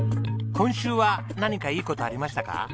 今週は何かいい事ありましたか？